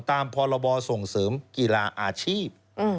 ตามพรบส่งเสริมกีฬาอาชีพ